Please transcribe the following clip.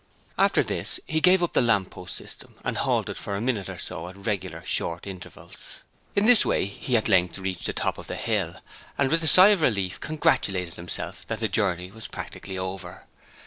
After this he gave up the lamp post system and halted for a minute or so at regular short intervals. In this way, he at length reached the top of the hill, and with a sigh of relief congratulated himself that the journey was practically over.